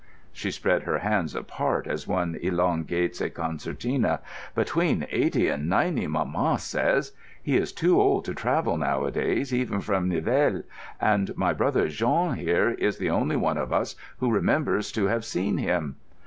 She spread her hands apart as one elongates a concertina. "Between eighty and ninety, mamma says. He is too old to travel nowadays, even from Nivelles, and my brother Jean here is the only one of us who remembers to have seen him."